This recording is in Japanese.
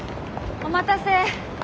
お待たせ。